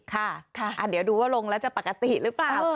ค่ะเดี๋ยวดูว่าลงแล้วจะปกติหรือเปล่า